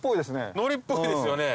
のりっぽいですよね。